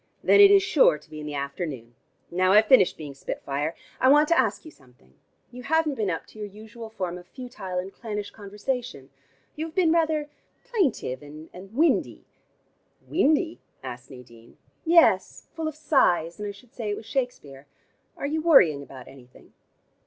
"Then it is sure to be in the afternoon. Now I've finished being spit fire I want to ask you something. You haven't been up to your usual form of futile and clannish conversation. You have been rather plaintive and windy " "Windy?" asked Nadine. "Yes, full of sighs, and I should say it was Shakespeare. Are you worrying about anything?"